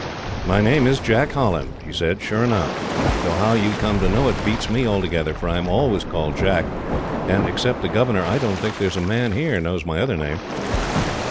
"My name is Jack Holland," he said, "sure enough; though how you come to know it beats me altogether, for I am always called Jack, and except the governor, I don't think there is a man here knows my other name."